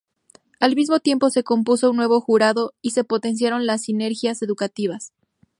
Al mismo tiempo se compuso un nuevo Jurado y se potenciaron las sinergias educativas.